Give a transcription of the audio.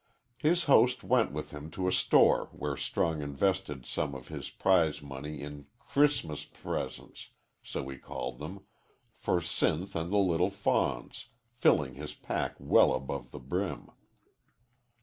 His host went with him to a store where Strong invested some of his prize money in "C'ris'mus presents" so he called them for Sinth and the "little fawns," filling his pack well above the brim.